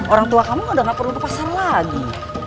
orang tua kamu udah gak perlu ke pasar lagi